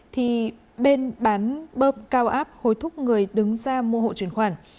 thì bên bán bơm cao áp hối thúc người đứng ra mua hộ chuyển khoản